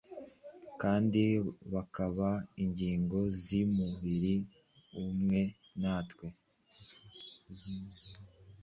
kandi bakaba ingingo z’umubiri umwe natwe,